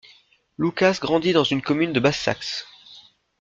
Lukas grandit dans une commune de Basse-Saxe.